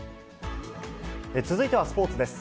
続いてはスポーツです。